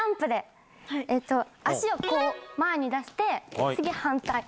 足をこう前に出して次反対。